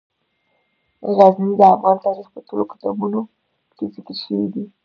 غزني د افغان تاریخ په ټولو کتابونو کې ذکر شوی دی.